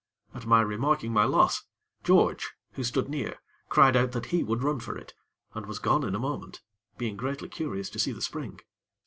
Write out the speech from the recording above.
At my remarking my loss, George, who stood near, cried out that he would run for it, and was gone in a moment, being greatly curious to see the spring.